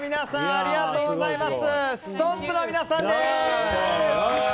ありがとうございます。